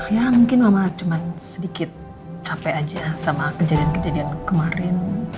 ya mungkin cuma mama sedikit capek aja sama kejadian kejadian kemaren